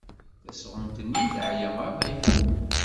Tasɣunt-nni teεya maḍi.